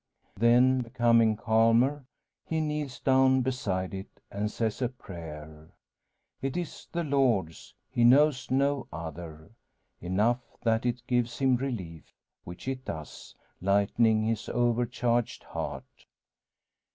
Then becoming calmer he kneels down beside it, and says a prayer. It is the Lord's he knows no other. Enough that it gives him relief; which it does, lightening his overcharged heart.